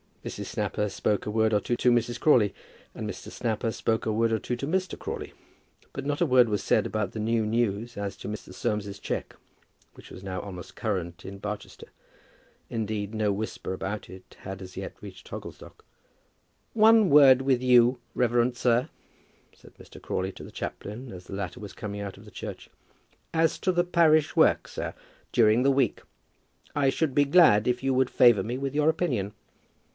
Mrs. Snapper spoke a word or two to Mrs. Crawley, and Mr. Snapper spoke a word or two to Mr. Crawley; but not a word was said about the new news as to Mr. Soames's cheque, which were now almost current in Barchester. Indeed, no whisper about it had as yet reached Hogglestock. "One word with you, reverend sir," said Mr. Crawley to the chaplain, as the latter was coming out of the church, "as to the parish work, sir, during the week; I should be glad if you would favour me with your opinion."